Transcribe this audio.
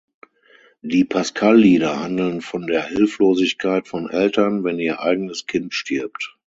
Die Pascal-Lieder handeln von der Hilflosigkeit von Eltern, wenn ihr eigenes Kind stirbt.